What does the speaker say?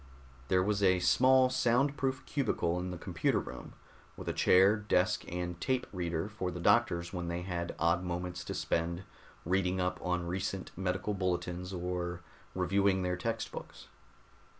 There was a small sound proof cubicle in the computer room, with a chair, desk and a tape reader for the doctors when they had odd moments to spend reading up on recent medical bulletins or reviewing their textbooks.